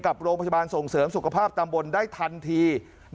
กับโรงพยาบาลส่งเสริมสุขภาพตำบลได้ทันที